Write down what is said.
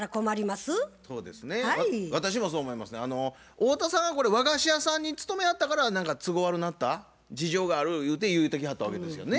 太田さんがこれ和菓子屋さんに勤めはったから何か都合悪なった事情があるゆうて言うてきはったわけですよね。